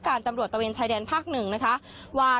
การตำรวจตระเวนชายแดนภาคหนึ่งว่า